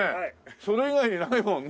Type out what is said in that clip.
それ以外にないもんね。